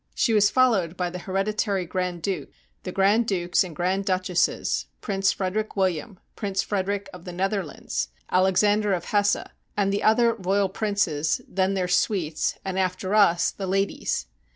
She was followed by the heredi tary grand duke, the grand dukes and grand duchesses, Prince Frederic William, Prince Frederic of the Nether lands, Alexander of Hesse, and the other royal princes, then their suites, and after us the ladies.